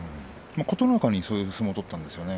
琴ノ若にそういう相撲を取りました。